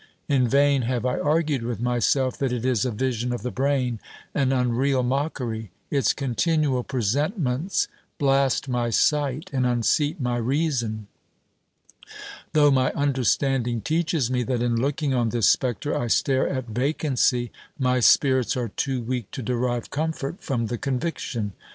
In vain have I argued with myself that it is a vision of the brain, an un real mockery : its continual presentments blast my sight, and unseat my reason. Though my understanding teaches me, that in looking on this spectre I stare at vacancy, my spirits are too weak to derive comfort from the conviction.